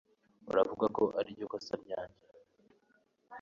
Uravuga ko ariryo kosa ryanjye